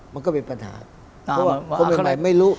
มันก็เป็นปัญหาคนใหม่ไม่รู้